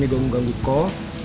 aku mau ke rumah